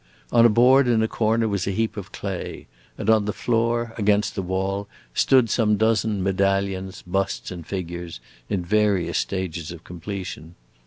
On a board in a corner was a heap of clay, and on the floor, against the wall, stood some dozen medallions, busts, and figures, in various stages of completion.